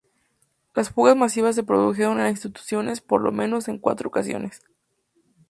Las fugas masivas se produjeron en la institución por lo menos en cuatro ocasiones.